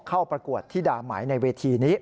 เข้าประกวดที่ดามัยในเวทีนี้